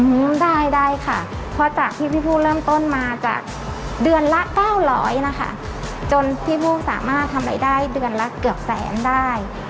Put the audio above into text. อืมได้ได้ค่ะเพราะจากที่พี่ผู้เริ่มต้นมาจากเดือนละเก้าร้อยนะคะจนพี่ผู้สามารถทำรายได้เดือนละเกือบแสนได้